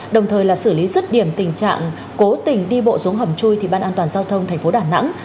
đồng thời là xử lý rứt điểm tình trạng cố tình đi bộ xuống hầm chui thì ban an toàn giao thông thành phố đà nẵng